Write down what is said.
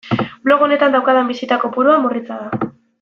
Blog honetan daukadan bisita kopurua murritza da.